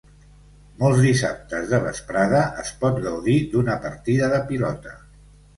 Molts dissabtes de vesprada es pot gaudir d'una partida de pilota.